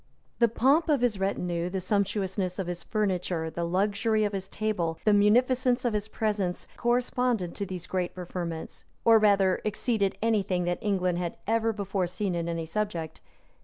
The pomp of his retinue, the sumptuousness of his furniture, the luxury of his table, the munificence of his presents, corresponded to these great preferments; or rather exceeded any thing that England had ever before seen in any subject.